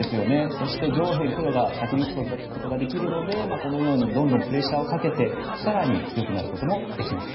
そして上辺黒が先に打つことができるのでこのようにどんどんプレッシャーをかけて更によくなることもできます。